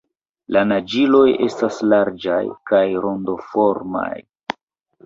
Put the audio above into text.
La naĝiloj estas larĝaj kaj rondoformaj.